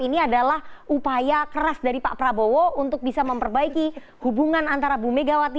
ini adalah upaya keras dari pak prabowo untuk bisa memperbaiki hubungan antara bu megawati